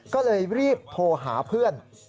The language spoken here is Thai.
ก็เลยรีบโทรหาเพื่อน